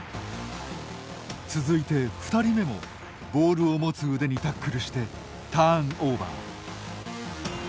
続いて２人目もボールを持つ腕にタックルしてターンオーバー。